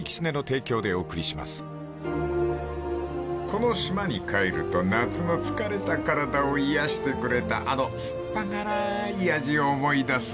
［この島に帰ると夏の疲れた体を癒やしてくれたあの酸っぱ辛い味を思い出す］